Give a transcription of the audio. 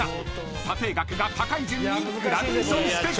［査定額が高い順にグラデーションしてください］